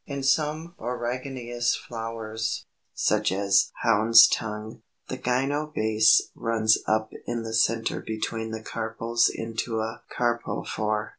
In some Borragineous flowers, such as Houndstongue, the gynobase runs up in the centre between the carpels into a carpophore.